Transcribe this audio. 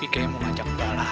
kamu apa ger